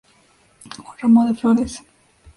Un ramo de flores.